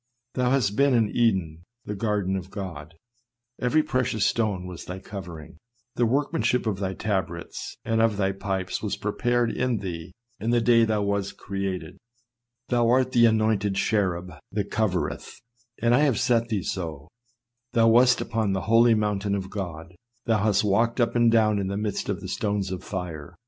Thou hast been in Eden, the garden of God; every precious stone was thy covering — the workmanship of thy tabrets and of thy pipes was prepared in thee in the day that thou wast created. Thou art the anointed cherub that covereth ; and I (230) THE CARNAL MIND ENMITY AGAINST GOD. 231 have set thee so : thou wast upon the holy mountain if God ; thou hast walked up and down in the midst of the stones of fire.